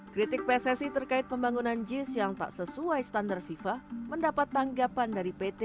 kritik pssi terkait pembangunan jis yang tak sesuai standar fifa mendapat tanggapan dari pt